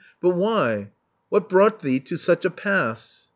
But why? What brought thee to such a pass?"